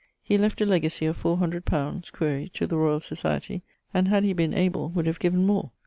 He left a legacy of four hundred pounds (quaere) to the Royall Society, and had he been able would have given more.